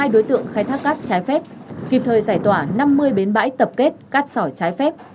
một mươi đối tượng khai thác cát trái phép kịp thời giải tỏa năm mươi bến bãi tập kết cát sỏi trái phép